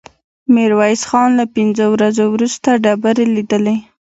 ميرويس خان له پنځو ورځو وروسته ډبرې ليدلې.